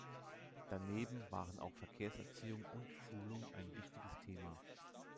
Daneben waren auch Verkehrserziehung und -schulung ein wichtiges Thema.